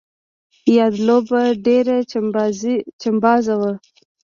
یاده لوبه ډېره چمبازه وه.